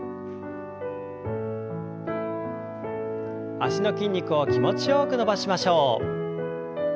脚の筋肉を気持ちよく伸ばしましょう。